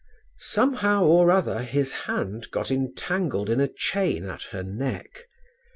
Somehow or other his hand got entangled in a chain at her neck.